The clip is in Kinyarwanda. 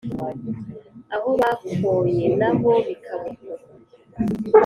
aho bakoye na ho bikaba uko